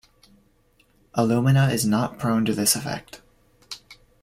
Alumina is not prone to this effect.